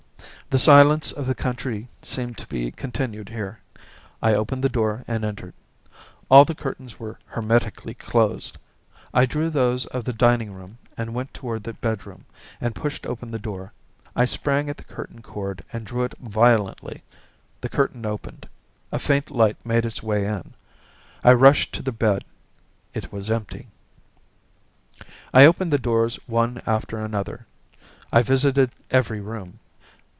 The silence of the country seemed to be continued here. I opened the door and entered. All the curtains were hermetically closed. I drew those of the dining room and went toward the bed room and pushed open the door. I sprang at the curtain cord and drew it violently. The curtain opened, a faint light made its way in. I rushed to the bed. It was empty. I opened the doors one after another. I visited every room.